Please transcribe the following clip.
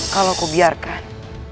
kalau aku biarkan